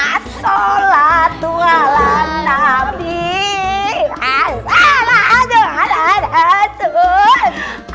assalamualaikum warahmatullahi wabarakatuh